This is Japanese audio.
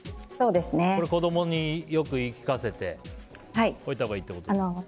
子供によく言い聞かせたほうがいいということですね。